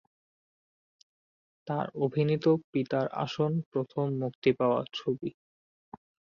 তার অভিনীত পিতার আসন প্রথম মুক্তি পাওয়া ছবি।